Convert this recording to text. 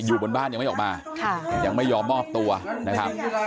อยู่บนบ้านยังไม่ออกมายังไม่ยอมมอบตัวนะครับ